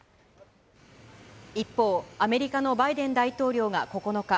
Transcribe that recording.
一方、アメリカのバイデン大統領が９日、